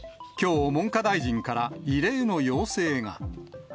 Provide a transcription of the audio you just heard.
きょう、文科大臣から異例の要請が。